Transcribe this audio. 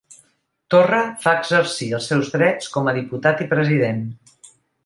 Torra fa exercir els seus drets com a diputat i president